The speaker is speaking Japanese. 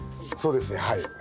そうですねはい。